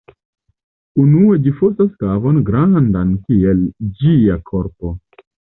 Unue ĝi fosas kavon grandan kiel ĝia korpo.